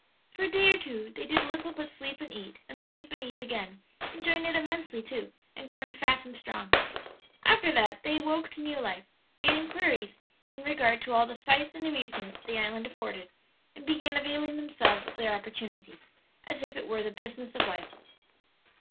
For a day or two they did little but sleep and eat, and sleep and eat again, enjoying it immensely, too, and growing fat and strong. After that they woke to new life, made inquiries in regard to all the sights and amusements the island afforded, and began availing themselves of their opportunities, as if it were the business of life.